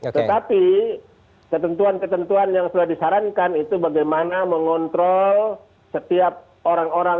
tetapi ketentuan ketentuan yang sudah disarankan itu bagaimana mengontrol setiap orang orang